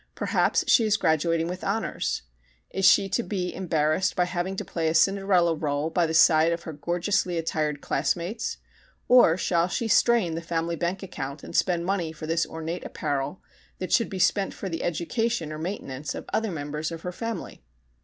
Perhaps she is graduating with honors. Is she to be embarrassed by having to play a Cinderella rôle by the side of her gorgeously attired classmates or shall she strain the family bank account and spend money for this ornate apparel that should be spent for the education or maintenance of other members of her family?